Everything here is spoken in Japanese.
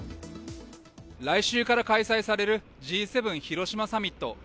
来週から開催されるＧ７広島サミット。